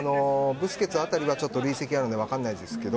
ブスケツあたりは累積あるんで分からないですけど